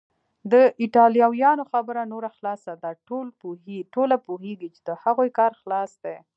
د ایټالویانو خبره نوره خلاصه ده، ټوله پوهیږي چې د هغوی کار خلاص دی.